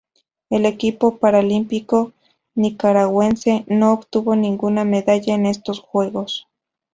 El equipo paralímpico nicaragüense no obtuvo ninguna medalla en estos Juegos.